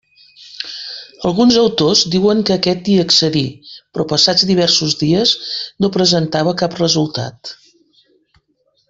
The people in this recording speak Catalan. Alguns autors diuen que aquest hi accedí, però passats diversos dies no presentava cap resultat.